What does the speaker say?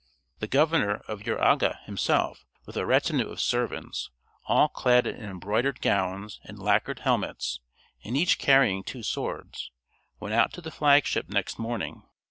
The governor of Uraga himself, with a retinue of servants, all clad in embroidered gowns and lacquered helmets, and each carrying two swords, went out to the flag ship next morning.